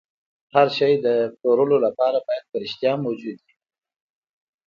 هر شی د پلورلو لپاره باید په رښتیا موجود وي